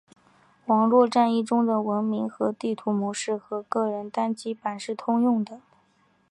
网络战役中的文明和地图模式和个人单机版是通用的。